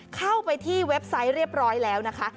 เข้าไปที่เว็บไซต์เรียบร้อยแล้วนะคะ